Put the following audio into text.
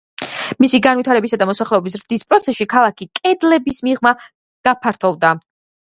მისი განვითარებისა და მოსახლეობის ზრდის პროცესში ქალაქი კედლების მიღმა გაფართოვდა.